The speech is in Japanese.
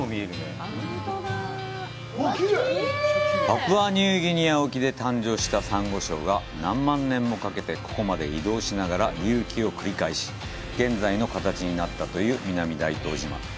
パプアニューギニア沖で誕生したサンゴ礁が何万年もかけてここまで移動しながら隆起を繰り返し、現在の形になったという南大東島。